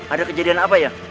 ada kejadian apa ya